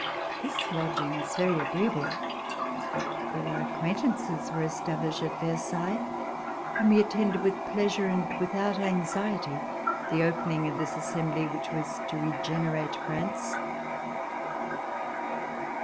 This lodging was very agreeable. All of our acquaintances were established at Versailles, and we attended with pleasure, and without anxiety, the opening of this Assembly which was to regenerate France.